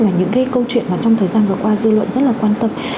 và những cái câu chuyện mà trong thời gian vừa qua dư luận rất là quan tâm